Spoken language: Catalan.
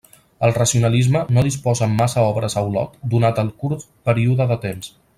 El racionalisme no disposa amb massa obres a Olot donat el curt període de temps.